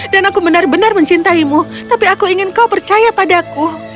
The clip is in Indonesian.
dan aku benar benar mencintaimu tapi aku ingin kau percaya padaku